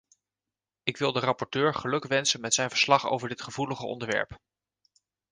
Ik wil de rapporteur gelukwensen met zijn verslag over dit gevoelige onderwerp.